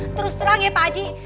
terus terang ya pak adi